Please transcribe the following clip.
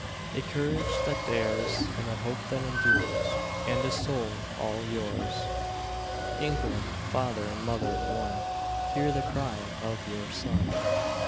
A courage that dares, and a hope that endures, And a soul all yours. England, father and mother in one, Hear the cry of your son.